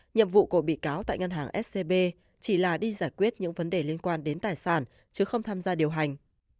nhiệm vụ của bị cáo tại ngân hàng scb chỉ là đi giải quyết những vấn đề liên quan đến tài sản chứ không tham gia điều hành